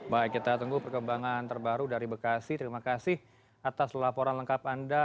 baik kita tunggu perkembangan terbaru dari bekasi terima kasih atas laporan lengkap anda